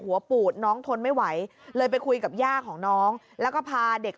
ปูดน้องทนไม่ไหวเลยไปคุยกับย่าของน้องแล้วก็พาเด็ก